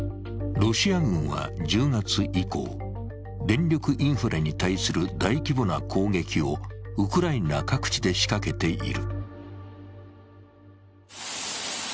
ロシア軍は１０月以降、電力インフラに対する大規模な攻撃をウクライナ各地で仕掛けている。